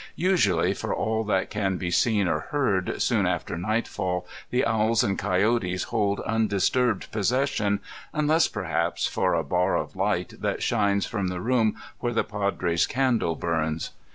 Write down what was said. Usually, for all that can be seen or heard, soon after nightfall the owls and coyotes hold undisturbed pos session, imless, perhaps, for a bar of light that shines from the room where the Padre's candle bums.